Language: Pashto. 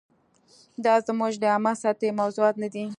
دا زموږ د عامه سطحې موضوعات نه دي.